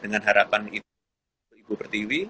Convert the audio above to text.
dengan harapan ibu pertiwi